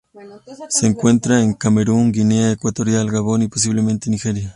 Se encuentra en Camerún, Guinea Ecuatorial, Gabón y, posiblemente en Nigeria.